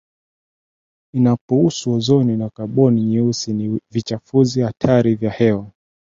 inapohusu ozoni na kaboni nyeusi ni vichafuzi hatari vya hewa